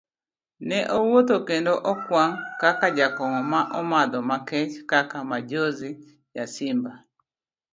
Ne owuotho kendo okwang' ka jakong'o ma omadho makech kaka Majonzi ya simba.